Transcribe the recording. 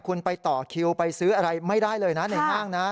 คุณไปต่อคิวไปซื้ออะไรไม่ได้เลยนะในห้างนะ